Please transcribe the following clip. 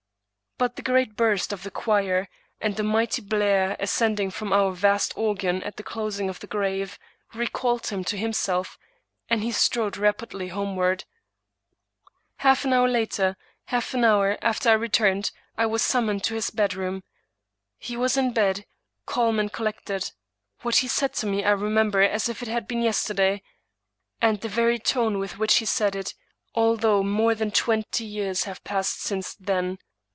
But the great burst of the choir, and the mighty blare ascending from our vast organ at the closing of the grave, recalled him to himself, and he strode rapidly homeward. Half an hour after I returned, I was summoned to his bedroom. He was in bed, calm and collected. What he said to me I remember as if it had been yesterday, and the very tone with which he said it, although more than twenty years have passed since then.